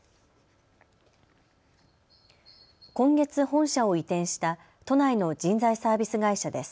今月、本社を移転した都内の人材サービス会社です。